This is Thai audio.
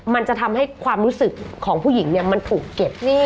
มันจะทำให้ความรู้สึกของผู้หญิงเนี่ยมันถูกเก็บหนี้